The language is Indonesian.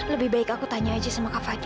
lebih baik aku tanya aja sama kak fakih